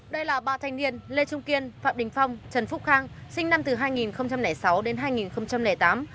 đây là ba thanh niên lê trung kiên phạm đình phong trần phúc khang sinh năm hai nghìn sáu đến hai nghìn tám